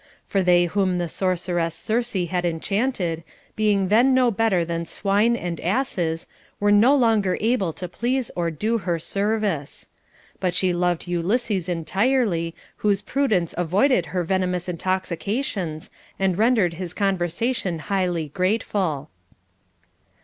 For they whom the sorceress Circe had enchanted, being then no better than swine and asses, were no longer able to please or do her service. But she loved Ulysses entirely, whose prudence avoided her venomous intoxica tions and rendered his conversation highly grateful.